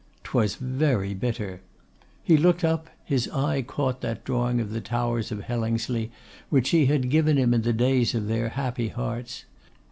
'Twas very bitter. He looked up, his eye caught that drawing of the towers of Hellingsley which she had given him in the days of their happy hearts.